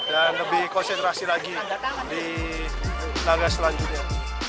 dan lebih konsentrasi lagi di langkah selanjutnya